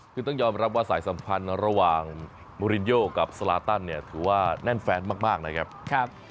คือต้องยอมรับว่าสายสัมพันธ์ระหว่างมูลินโยกับสลาตันเนี่ยถือว่าแน่นแฟนมากนะครับ